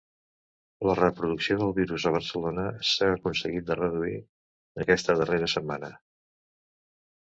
La reproducció del virus a Barcelona s’ha aconseguit de reduir aquesta darrera setmana.